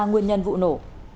nguyên nhân vụ nổ